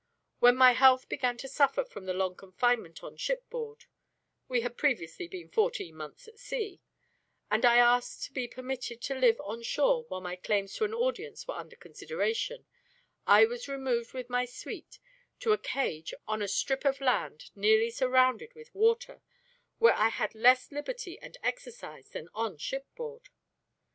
When my health began to suffer from the long confinement on shipboard we had previously been fourteen months at sea and I asked to be permitted to live on shore while my claims to an audience were under consideration, I was removed with my suite to a cage on a strip of land nearly surrounded with water, where I had less liberty and exercise than on shipboard.